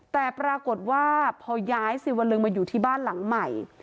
แต่ปรากฏว่าพอย้ายสิวลึงมาอยู่ที่บ้านหลังใหม่